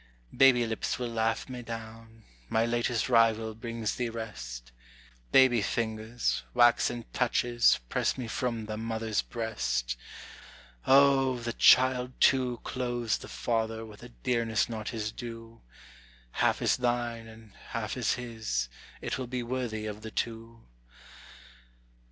Baby lips will laugh me down; my latest rival brings thee rest, Baby fingers, waxen touches, press me from the mother's breast. O, the child too clothes the father with a dearness not his due. Half is thine and half is his: it will be worthy of the two.